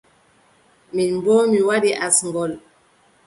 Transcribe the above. Min boo mi waɗi asngol.